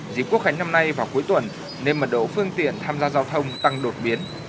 dịp quốc khánh năm nay vào cuối tuần nên mật độ phương tiện tham gia giao thông tăng đột biến